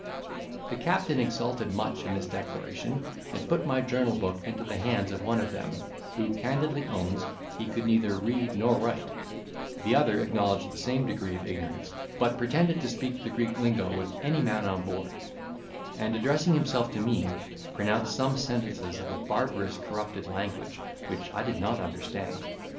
The captain exulted much in this declaration, and put my journal book into the hands of one of them, who candidly owned he could neither read nor write; the other acknowledged the same degree of ignorance, but pretended to speak the Greek lingo with any man on board; and, addressing himself to me, pronounced some sentences of a barbarous corrupted language, which I did not understand.